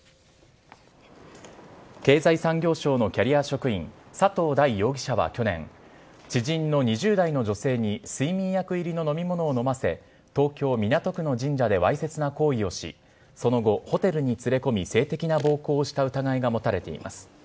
経済産業省のキャリア職員、佐藤大容疑者は去年、知人の２０代の女性に睡眠薬入りの飲み物を飲ませ、東京・港区の神社でわいせつな行為をし、その後、ホテルに連れ込み、性的な暴行をした疑いが持たれています。